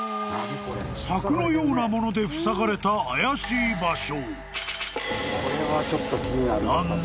［柵のようなものでふさがれた怪しい場所］